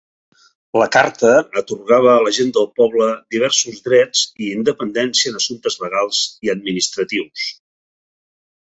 La carta atorgava a la gent del poble diversos drets i independència en assumptes legals i administratius.